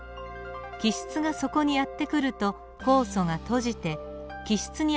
基質がそこにやって来ると酵素が閉じて基質に合った形になり